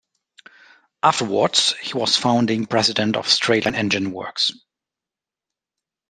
Afterwards he was founding president of straight line engine works.